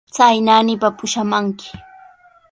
Chay naanipa pushamanki.